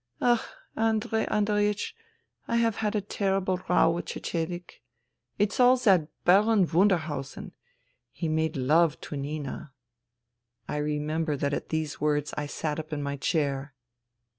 " Ach ! Andrei Andreiech ! I have had a terrible row with Cecedek. It's all that Baron Wunder hausen. He made love to Nina. ..." I remember that at these words I sat up in my chair.